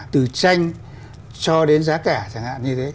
từ tranh cho đến giá cả chẳng hạn như thế